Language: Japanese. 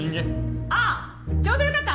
あっちょうどよかった。